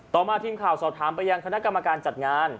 ต่อมาทีมข่าวสอบถามไปยังคณะกรรมการจัดงาน